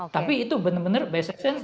tapi itu benar benar bssn menggambarkan kecik